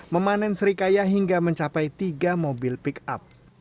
memanen serikaya hingga mencapai tiga mobil pick up